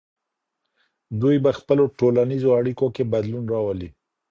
دوی په خپلو ټولنیزو اړیکو کې بدلون راولي.